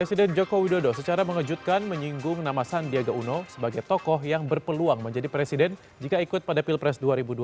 presiden joko widodo secara mengejutkan menyinggung nama sandiaga uno sebagai tokoh yang berpeluang menjadi presiden jika ikut pada pilpres dua ribu dua puluh